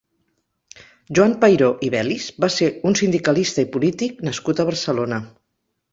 Joan Peiró i Belis va ser un sindicalista i polític nascut a Barcelona.